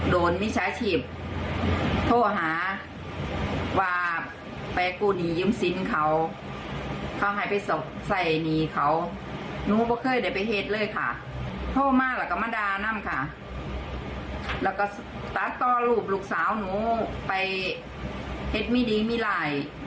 แล้วก็ตอรูปลูกสาวหนูไปเท็จมิดินมิไหล